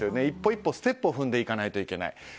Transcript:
一歩一歩ステップを踏んでいかないといけない。